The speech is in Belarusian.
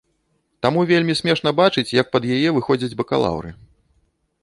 Таму вельмі смешна бачыць, як пад яе выходзяць бакалаўры.